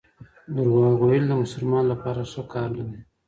درواغ ویل د مسلمان لپاره ښه کار نه دی.